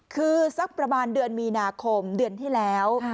คือสักประมาณเดือนมีนาคมเดือนที่แล้ว